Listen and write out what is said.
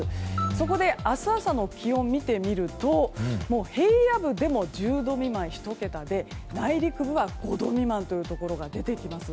そこで明日朝の気温を見てみると平野部でも１０度未満、１桁で内陸部は５度未満というところが出てきます。